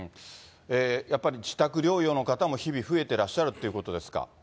やっぱり自宅療養の方も日々増えてらっしゃるということです